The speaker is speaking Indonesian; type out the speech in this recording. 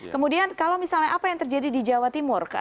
kemudian kalau misalnya apa yang terjadi di jawa timur